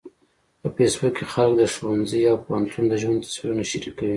په فېسبوک کې خلک د ښوونځي او پوهنتون د ژوند تصویرونه شریکوي